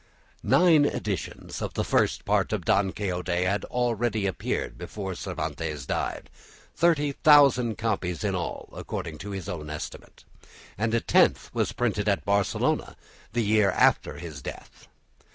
Nine editions of the First Part of "Don Quixote" had already appeared before Cervantes died, thirty thousand copies in all, according to his own estimate, and a tenth was printed at Barcelona the year after his death.